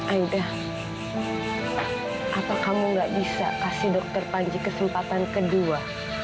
aida apa kamu tidak bisa kasih dokter panji kesempatan kedua